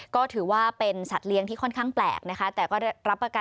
ก็ถือว่าเป็นสัตว์เลี้ยงที่ค่อนข้างแปลกนะคะ